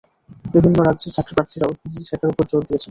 বিভিন্ন রাজ্যের চাকরিপ্রার্থীরাও হিন্দি শেখার ওপর জোর দিয়েছেন।